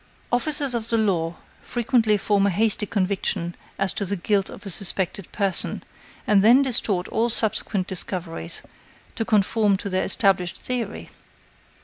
Officers of the law frequently form a hasty conviction as to the guilt of a suspected person, and then distort all subsequent discoveries to conform to their established theory.